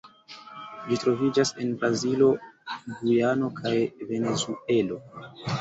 Ĝi troviĝas en Brazilo, Gujano kaj Venezuelo.